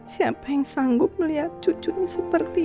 siapa yang sanggup melihat cucunya seperti